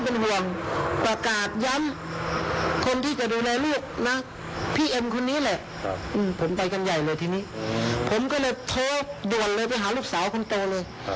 พี่เอมคนนี้แหละผมไปกันใหญ่เลยทีนี้ผมก็เลยโทรด่วนเลยไปหาลูกสาวคนโตเลย